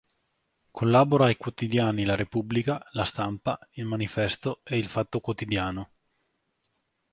Collabora ai quotidiani La Repubblica, la Stampa, Il manifesto e Il Fatto Quotidiano.